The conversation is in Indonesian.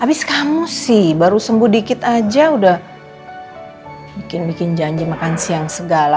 habis kamu sih baru sembuh dikit aja udah bikin bikin janji makan siang segala